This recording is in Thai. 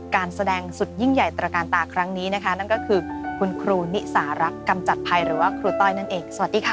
การแสดงนีซระรักกรรมจัดภัยต้อยนันเอก